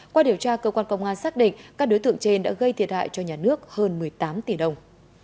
qua điều tra cơ quan công an xác định các đối tượng trên đã gây thiệt hại cho nhà nước hơn một mươi tám tỷ đồng